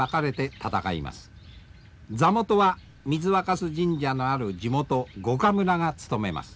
座元は水若酢神社のある地元五箇村が務めます。